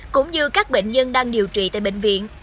cũng như các bệnh nhân đang điều trị tại bệnh viện